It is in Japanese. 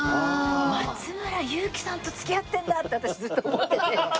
松村雄基さんと付き合ってるんだって私ずっと思ってて。